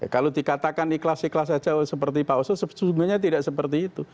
kalau dikatakan ikhlas ikhlas saja seperti pak oso sebenarnya tidak seperti itu